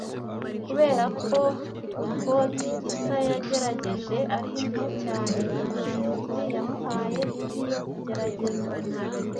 Kubera ko ikotiGisa yagerageje ari nto cyane, umwanditsi yamuhaye indi yo kugerageza.